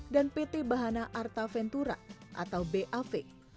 dan pt bahana arta ventura atau bav